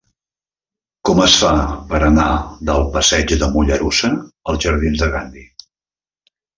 Com es fa per anar del passeig de Mollerussa als jardins de Gandhi?